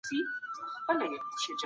چا د جنګ او پهلوانۍ زده کړي کولې؟